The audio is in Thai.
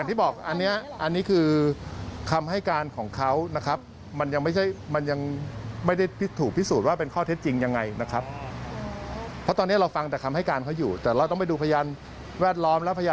ทีนี้มันมีอีกคำถามนึงคือว่า